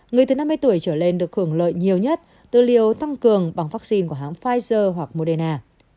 người từ năm mươi tuổi trở lên được hưởng lợi nhiều nhất từ liều tăng cường bằng vaccine của hãng pfizer hoặc moderna